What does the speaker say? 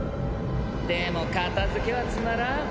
でも片付けはつまらん！